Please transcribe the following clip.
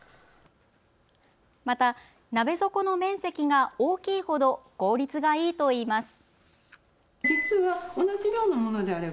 また鍋底の面積が大きいほど効率がいいといいます。